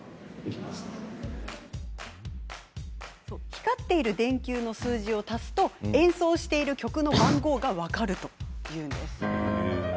光っている電球の数字を足すと演奏している曲の番号が分かるというのです。